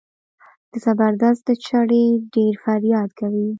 د زبردست د چړې ډېر فریاد کوي.